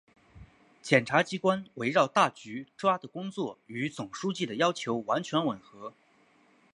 检察机关围绕大局抓的工作与总书记的要求完全吻合